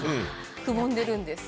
くぼんでるんです。